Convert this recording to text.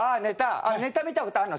ネタ見たことあんの？